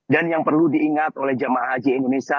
dan yang perlu diingat oleh jamaah haji indonesia